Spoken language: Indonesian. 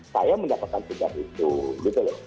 saya mendapatkan tiket itu gitu loh